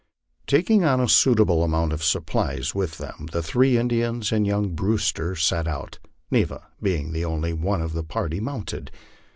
Taking a suitable amount of supplies with them, the three Indians and young Brewster set out, Neva being the only one of the party mounted.